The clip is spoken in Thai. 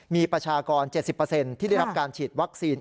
มีประชากร๗๐ที่ได้รับการฉีดวัคซีน